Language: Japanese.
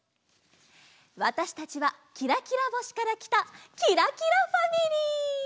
わたしたちはキラキラぼしからきたキラキラファミリー。